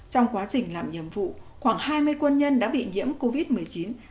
trong quá trình làm nhiệm vụ khoảng hai mươi quân nhân đã bị nhiễm covid một mươi chín xong đã khỏi bệnh